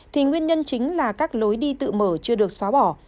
thì nguyên nhân chính là các lối đi tự mở chưa được xóa bỏ